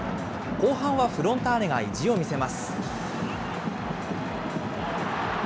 後半はフロンターレが意地を見せます。